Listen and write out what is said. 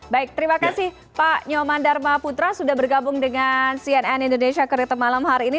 baik terima kasih pak nyoman dharma putra sudah bergabung dengan cnn indonesia connected malam hari ini